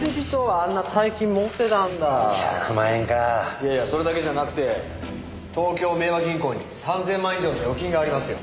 いやいやそれだけじゃなくて東京明和銀行に３０００万以上の預金がありますよ。